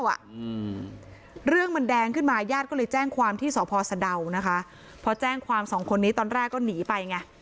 อืมเรื่องมันแดงขึ้นมาญาติก็เลยแจ้งความที่สพสะดาวนะคะพอแจ้งความสองคนนี้ตอนแรกก็หนีไปไง